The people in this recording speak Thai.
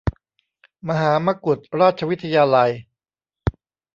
มหามกุฏราชวิทยาลัย